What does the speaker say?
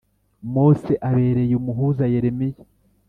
Mose abereye umuhuza Yeremiya